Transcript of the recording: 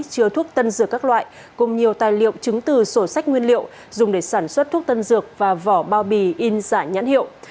chứa thuốc tân dược các loại cùng nhiều tài liệu chứng từ sổ sách nguyên liệu dùng để sản xuất thuốc tân dược và vỏ bao bì in giả nhãn hiệu